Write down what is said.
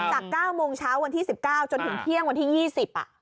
๙โมงเช้าวันที่๑๙จนถึงเที่ยงวันที่๒๐อ่ะ